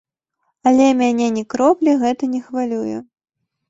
Але мяне ні кроплі гэта не хвалюе.